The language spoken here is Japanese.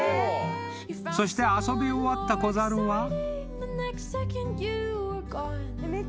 ［そして遊び終わった子猿は］